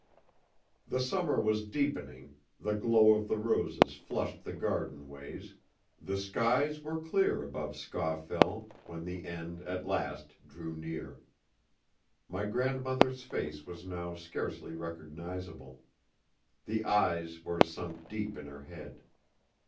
The summer was deepening, the glow of the roses flushed the garden ways, the skies were clear above Scawfell, when the end at last drew near. My grandmother's face was now scarcely recognizable. The eyes were sunk deep in her head.